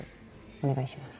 お願いします。